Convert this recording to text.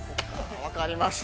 ◆わかりました。